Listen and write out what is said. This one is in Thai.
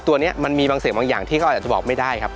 ตัวนี้มันมีบางสิ่งบางอย่างที่เขาอาจจะบอกไม่ได้ครับ